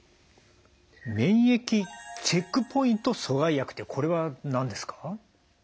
免疫チェックポイント阻害薬ってこれは何ですか？